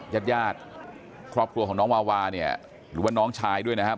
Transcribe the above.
ญาติญาติครอบครัวของน้องวาวาเนี่ยหรือว่าน้องชายด้วยนะครับ